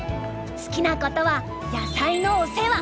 好きなことは野菜のお世話。